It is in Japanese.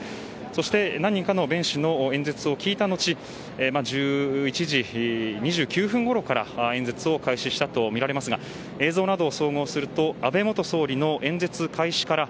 そして、何人かの弁士の演説を聞いたのち１１時２９分ごろから演説を開始したということですが映像などを総合すると安倍元総理の演説開始から